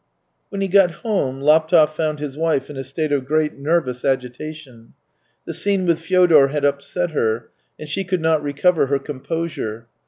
When he got home Laptev found his wife in a state of great nervous agitation. The scene with Fyodor had upset her, and she could not recover her composure.